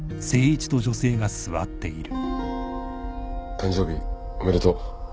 誕生日おめでとう。